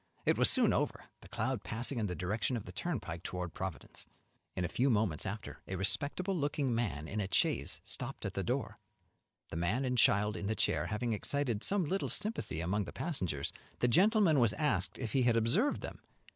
It was soon over, the cloud passing in the direction of the turnpike toward Providence. In a few moments after, a respectable looking man in a chaise stopped at the door. The man and child in the chair having excited some little sympathy among the passengers, the gentleman was asked if he had observed them.